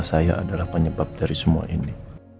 saya adalah penyebab dari semua ini